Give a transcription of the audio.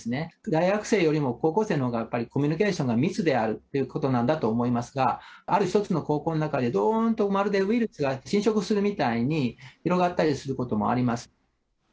大学生よりも高校生のほうが、やっぱりコミュニケーションが密であるということだと思いますが、ある一つの高校の中で、どーんと、まるでウイルスが侵食するみたいに広がったりすることもあります。